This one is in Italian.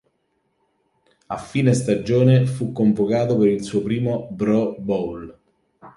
A fine stagione fu convocato per il suo primo Pro Bowl.